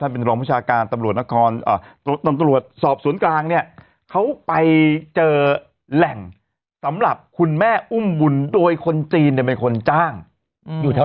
ไปเจอแหล่งสำหรับคุณแม่อุ้มบุญโดยคนจีนแต่เป็นคนจ้างอืมอยู่แถว